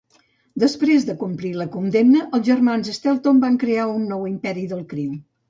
Després de complir la condemna, els germans Shelton van crear un nou imperi del crim.